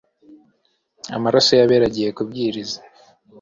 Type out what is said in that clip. amaraso y'abera agiye kubwiriza